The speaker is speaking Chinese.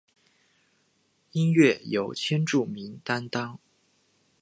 音乐由千住明担当。